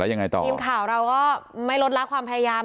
ยังไงต่อทีมข่าวเราก็ไม่ลดละความพยายาม